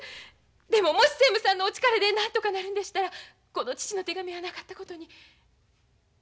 でももし専務さんのお力でなんとかなるんでしたらこの父の手紙はなかったことに。